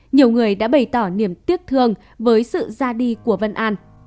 nhiều người đã bày tỏ niềm tiếc thương với sự ra đi của vân an